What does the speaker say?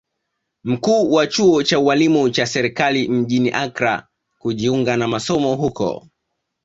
Mkuu wa chuo cha ualimu cha serikali mjini Accra kujiunga na masomo huko